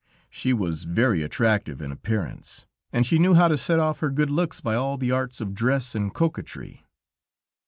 She was very attractive in appearance, and she knew how to set off her good looks by all the arts of dress and coquetry.